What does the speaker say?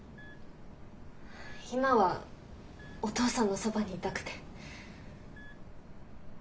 今はお父さんのそばにいたくて。